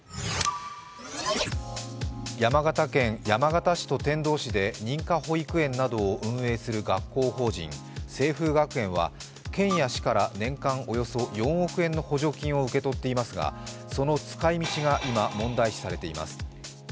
山形県山形市と天童市で認可保育園などを運営する学校法人・清風学園は県や市から年間およそ４億円の補助金を受け取っていますが、その使いみちが今、問題視されています。